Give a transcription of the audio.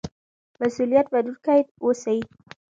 مسؤلیت منونکي اوسئ.